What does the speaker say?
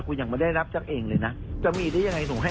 คุณยังไม่ได้รับสักเองเลยนะจะมีได้ยังไงหนูให้